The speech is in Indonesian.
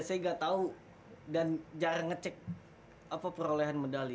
saya nggak tahu dan jarang ngecek apa perolehan medali